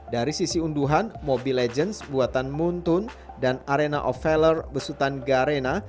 dari sisi unduhan mobile legends buatan moonton dan arena of valor besutan garena